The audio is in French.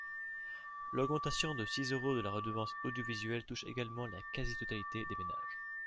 L’augmentation de six euros de la redevance audiovisuelle touche également la quasi-totalité des ménages.